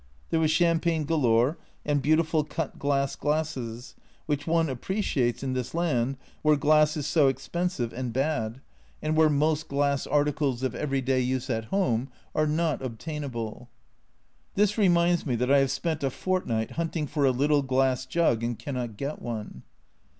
There was champagne galore, and beautiful cut glass glasses, which one appreciates in this land where glass is so expensive and bad, and yo A Journal from Japan where most glass articles of everyday use at home are not obtainable. (This reminds me that I have spent a fortnight hunting for a little glass jug and cannot get one.)